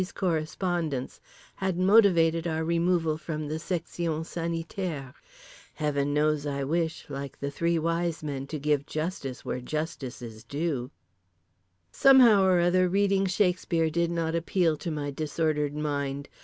's correspondence had motivated our removal from the Section Sanitaire. Heaven knows I wish (like the Three Wise Men) to give justice where justice is due. Somehow or other, reading Shakespeare did not appeal to my disordered mind.